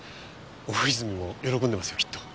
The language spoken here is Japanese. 大泉も喜んでますよきっと。